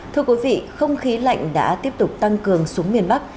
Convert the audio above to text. thưa quý vị không khí lạnh đã tiếp tục tăng cường xuống miền bắc